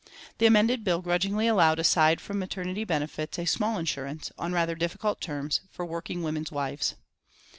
The amended bill grudgingly allowed aside from maternity benefits, a small insurance, on rather difficult terms, for workingmen's wives.